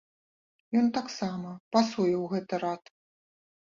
Ён таксама пасуе ў гэты рад.